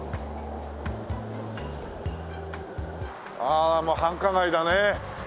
あもう繁華街だね。